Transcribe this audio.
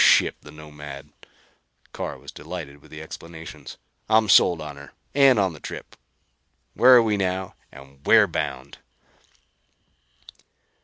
"Some ship, the Nomad!" Carr was delighted with the explanations. "I'm sold on her and on the trip. Where are we now and where bound?"